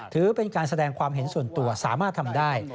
ถือเป็นการแสดงความเห็นส่วนตัวสามารถทำได้